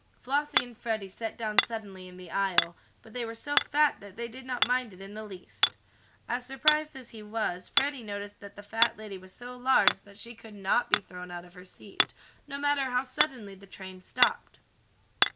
Flossie and Freddie sat down suddenly in the aisle, but they were so fat that they did not mind it in the least. As surprised as he was, Freddie noticed that the fat lady was so large that she could not be thrown out of her seat, no matter how suddenly the train stopped.